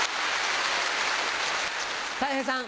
たい平さん。